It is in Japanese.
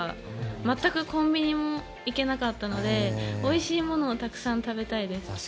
全くコンビニも行けなかったのでおいしいものをたくさん食べたいです。